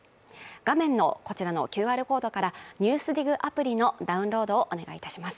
画面のこちらのＱＲコードから「ＮＥＷＳＤＩＧ」アプリのダウンロードをお願いいたします。